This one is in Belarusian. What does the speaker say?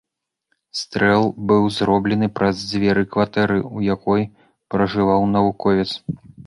Стрэл быў зроблены праз дзверы кватэры, у якой пражываў навуковец.